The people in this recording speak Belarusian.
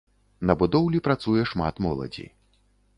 На будоўлі працуе шмат моладзі.